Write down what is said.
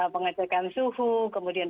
pengecekan suhu kemudian